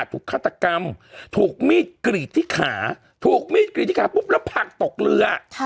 ฆาตกรรมถูกมีดกรีดที่ขาถูกมีดกรีดที่ขาปุ๊บแล้วผักตกเรือ